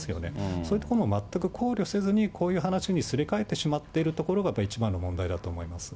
そういったことも全く考慮せずに、こういうはなしにすり替えてしまっているところが、一番の問題だ